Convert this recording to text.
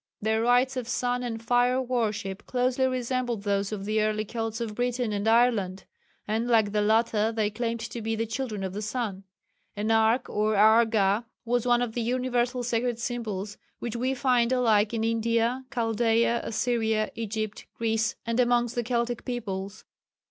Their rites of sun and fire worship closely resembled those of the early Kelts of Britain and Ireland, and like the latter they claimed to be the "children of the sun." An ark or argha was one of the universal sacred symbols which we find alike in India, Chaldea, Assyria, Egypt, Greece and amongst the Keltic peoples.